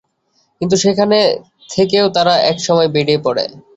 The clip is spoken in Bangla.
কিন্তু সেখান থেকেও তারা এক সময় বেরিয়ে পড়ে।